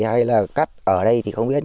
hay là cắt ở đây thì không biết